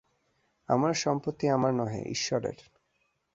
আমার সম্পত্তি আমার নহে, ঈশ্বরের।